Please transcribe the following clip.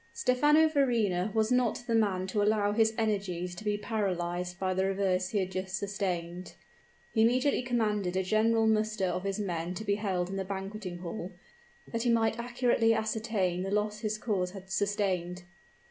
Stephano Verrina was not the man to allow his energies to be paralyzed by the reverse he had just sustained. He immediately commanded a general muster of his men to be held in the banqueting hall, that he might accurately ascertain the loss his corps had sustained.